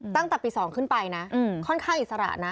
ตั้งแต่ปี๒ขึ้นไปนะค่อนข้างอิสระนะ